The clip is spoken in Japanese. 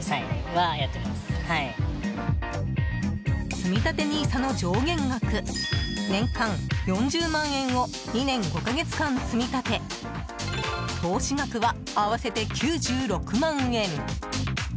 つみたてＮＩＳＡの上限額年間４０万円を２年５か月間、積み立て投資額は合わせて９６万円。